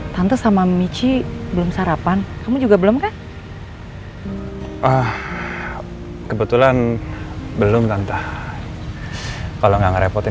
tante sama michi belum sarapan kamu juga belum kan kebetulan belum tante kalau nggak ngerepotin